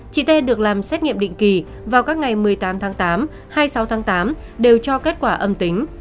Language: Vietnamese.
chị t được làm xét nghiệm định kỳ vào các ngày một mươi tám tháng tám hai mươi sáu tháng tám đều cho kết quả âm tính